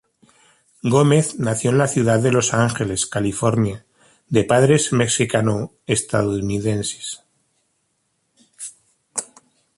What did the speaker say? Gómez nació en la ciudad de Los Ángeles, California, de padres mexicano-estadounidenses.